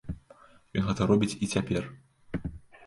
Ён гэта робіць і цяпер.